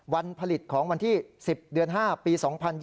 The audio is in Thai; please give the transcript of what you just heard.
วันผลิตของวันที่๑๐เดือน๕ปี๒๐๒๐